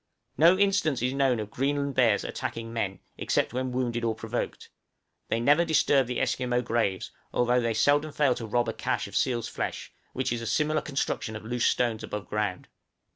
No instance is known of Greenland bears attacking men, except when wounded or provoked; they never disturb the Esquimaux graves, although they seldom fail to rob a câche of seal's flesh, which is a similar construction of loose stones above ground.